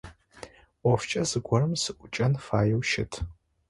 Ӏофкӏэ зыгорэм сыӏукӏэн фаеу щыт.